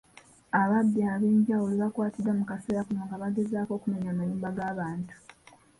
Ababbi eb'enjawulo bakwatiddwa mu kaseera kano nga bagezaako okumenya amayumba g'abantu.